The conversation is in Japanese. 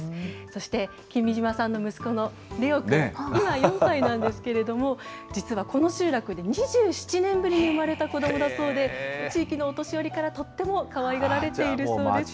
そして君島さんの息子のレオくん、今、４歳なんですけれども、実はこの集落で２７年ぶりに産まれた子どもだそうで、地域のお年寄りからとってもかわいがられているそうです。